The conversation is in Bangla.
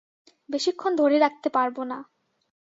বেশিক্ষণ ধরে রাখতে পারবো না।